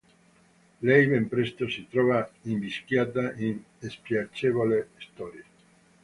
Lei, ben presto, si trova invischiata in spiacevoli storie.